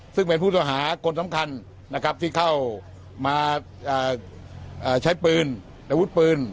ซึ่งเป็นผู้ต้องหาคนสำคัญนะครับที่เข้ามาใช้ปืนอาวุธปืน